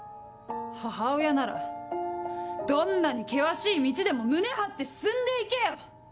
母親ならどんなに険しい道でも胸張って進んで行けよ！